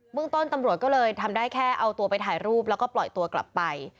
เมืองต้นตำรวจก็เลยทำได้แค่เอาตัวไปถ่ายรูปแล้วก็ปล่อยตัวกลับไป